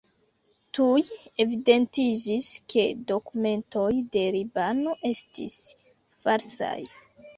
Tuj evidentiĝis, ke dokumentoj de Libano estis falsaj.